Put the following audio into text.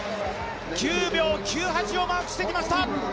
９秒９８をマークしてきました！